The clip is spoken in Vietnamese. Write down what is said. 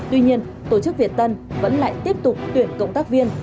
tuy nhiên tổ chức việt tân vẫn lại tiếp tục tuyển cộng tác viên